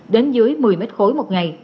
đến dưới một mươi m ba một ngày